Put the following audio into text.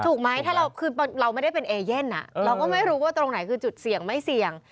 ถูกไหมถ้าเราคือเราไม่ได้เป็นเอเย่นเราก็ไม่รู้ว่าตรงไหนคือจุดเสี่ยงไม่เสี่ยง